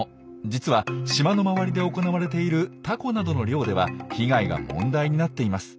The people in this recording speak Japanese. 実は島の周りで行われているタコなどの漁では被害が問題になっています。